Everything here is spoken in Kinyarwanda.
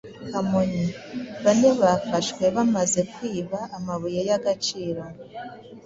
Kamonyi: Bane bafashwe bamaze kwiba amabuye y’agaciro